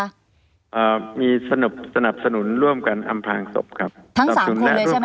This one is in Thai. อ่ามีสนบสนับสนุนร่วมกันอำพลังศพครับทั้งสามคนเลยใช่ไหมคะ